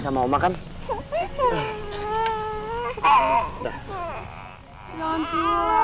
suara kuat ini